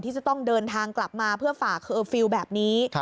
จะต้องเดินทางกลับมาเพื่อฝากเคอร์ฟิลล์แบบนี้